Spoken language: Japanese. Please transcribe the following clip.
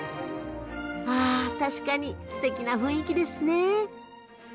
あ確かにすてきな雰囲気ですね。